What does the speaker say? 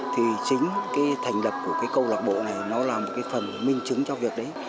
thì chính thành lập của câu lạc bộ này là phần minh chứng cho việc đấy